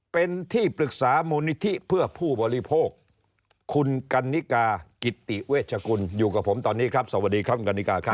เป็นที่ปรึกษามูลนิธิเพื่อผู้บริโภคคุณกันนิกากิตติเวชกุลอยู่กับผมตอนนี้ครับสวัสดีครับคุณกัณฑิกาครับ